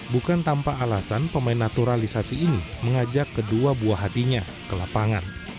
bukan tanpa alasan pemain naturalisasi ini mengajak kedua buah hatinya ke lapangan